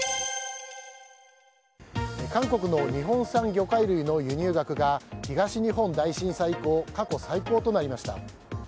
韓国の日本産魚介類の輸入額が東日本大震災以降過去最高となりました。